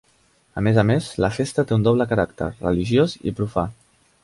A més a més, la festa té un doble caràcter: religiós i profà.